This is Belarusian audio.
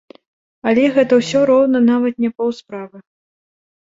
Але гэта ўсё роўна нават не паўсправы.